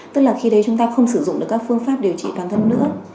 tức là khi đấy chúng ta không sử dụng được các phương pháp điều trị toàn thân nữa